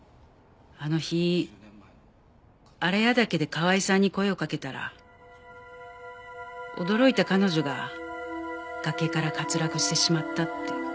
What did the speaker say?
あの日荒谷岳で河合さんに声をかけたら驚いた彼女が崖から滑落してしまったって。